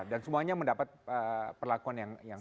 dan semuanya mendapat perlakuan yang sama